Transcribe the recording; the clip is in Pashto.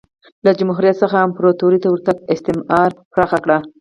له جمهوریت څخه امپراتورۍ ته ورتګ استثمار پراخ کړ